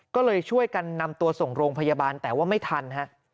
ก็เลยช่วยกันนำตัวส่งโรงพยาบาลแต่ว่าไม่ทันฮะ